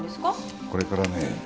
これからね